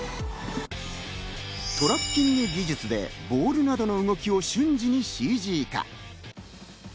トラッキング技術でボールなどの動きを瞬時にＣＧ化。